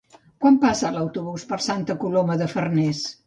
Quan passa l'autobús per Santa Coloma de Farners?